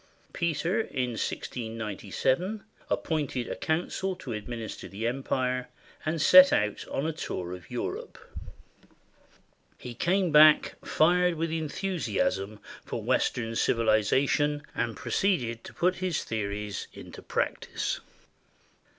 Peter, in 1697, appointed a coun cil to administer the empire, and set out on a tour of Europe. He came back fired with enthusiasm for Western civiliza tion, and proceeded to put his theories into practice.